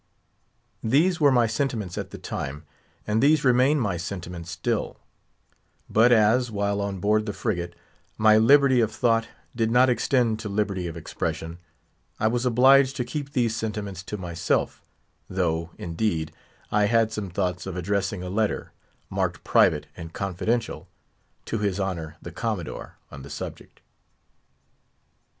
These were my sentiments at the time, and these remain my sentiments still; but as, while on board the frigate, my liberty of thought did not extend to liberty of expression, I was obliged to keep these sentiments to myself; though, indeed, I had some thoughts of addressing a letter, marked Private and Confidential, to his Honour the Commodore, on the subject.